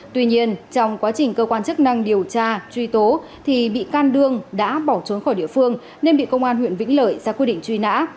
tuy nhiên trong quá trình cơ quan chức năng điều tra truy tố thì bị can đương đã bỏ trốn khỏi địa phương nên bị công an huyện vĩnh lợi ra quy định truy nã